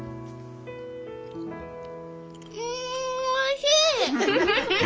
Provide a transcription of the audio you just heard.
んおいしい！